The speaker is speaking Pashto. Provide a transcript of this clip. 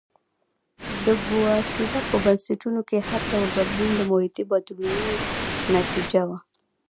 د ګواتیلا په بنسټونو کې هر ډول بدلون د محیطي بدلونونو نتیجه وه.